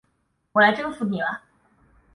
我来征服你了！